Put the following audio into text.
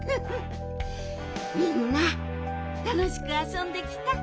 みんなたのしくあそんできた？